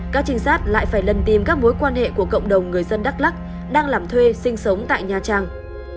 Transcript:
các trinh sát lại phải lần tìm các mối quan hệ của cộng đồng người dân đắk lắc đang làm thuê sinh sống tại nha trang